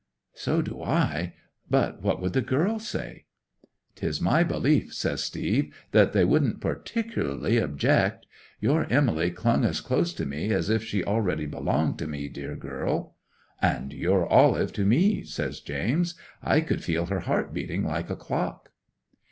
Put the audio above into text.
'"So do I. But what would the girls say?" '"'Tis my belief," said Steve, "that they wouldn't particularly object. Your Emily clung as close to me as if she already belonged to me, dear girl." '"And your Olive to me," says James. "I could feel her heart beating like a clock."